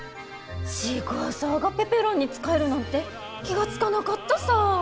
シークワーサーがペペロンに使えるなんて気が付かなかったさぁ！